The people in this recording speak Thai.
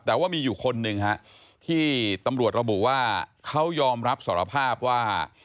แต่ว่ามีอยู่คนหนึ่งฮะที่ตำรวจระบุว่าเขายอมรับสารภาพว่า